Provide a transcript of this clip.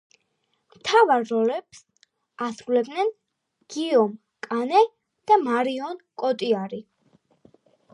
მთავარ როლებს ასრულებენ გიიომ კანე და მარიონ კოტიარი.